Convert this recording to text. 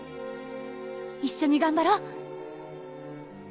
一緒に頑張ろう！